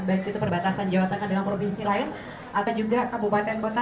baik itu perbatasan jawa tengah dengan provinsi lain atau juga kabupaten kota